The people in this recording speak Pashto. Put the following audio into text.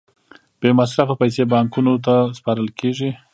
بې مصرفه پیسې بانکونو ته سپارل کېږي